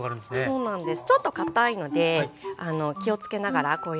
そうなんです。